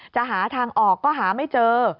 จะหาทางออกก็หาไม่เจอ